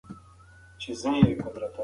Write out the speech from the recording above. که ښوونکی وي نو زده کوونکي بې لارې نه کیږي.